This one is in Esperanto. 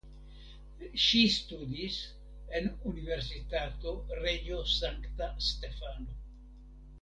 Ŝi studis en Universitato Reĝo Sankta Stefano.